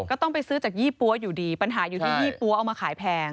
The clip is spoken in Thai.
แม้ร้านที่ซื้อจากยี่ปั้วอยู่ดีปัญหาอยู่ดียี่ปั้วเอามาขายแพง